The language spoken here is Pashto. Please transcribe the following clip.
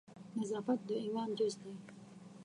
نظافت د ایمان جزء دی.